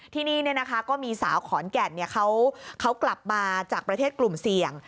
ที่นี่ก็มีสาวขอนแก่นเขากลับมาจากประเทศกลุ่มเสี่ยง